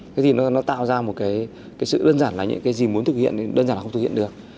thế thì nó tạo ra một cái sự đơn giản là những cái gì muốn thực hiện đơn giản là không thực hiện được